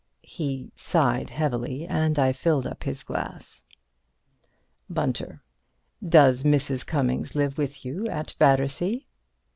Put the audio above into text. (He sighed heavily, and I filled up his glass.) Bunter: Does Mrs. Cummings live with you at Battersea?